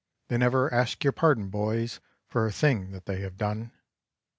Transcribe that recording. They never ask your pardon, boys, for a thing that they have done.